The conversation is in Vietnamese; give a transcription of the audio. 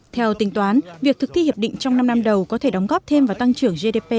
theo tính toán việc thực thi hiệp định trong năm năm đầu có thể đóng góp thêm vào tăng trưởng gdp